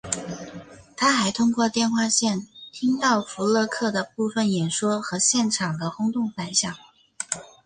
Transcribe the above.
他还通过电话线听到福勒克的部分演说和现场的轰动反响。